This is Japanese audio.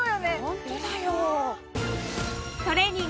ホントだよ。